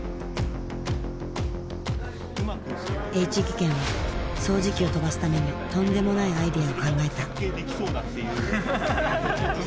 Ｈ技研は掃除機を跳ばすためにとんでもないアイデアを考えた。